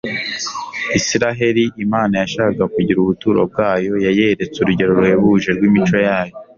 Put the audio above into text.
Isiraheli Imana yashakaga kugira ubuturo bwayo, yayeretse urugero ruhebuje rw’imico Yayo.